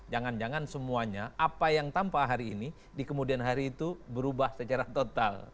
jangan jangan semuanya apa yang tampak hari ini di kemudian hari itu berubah secara total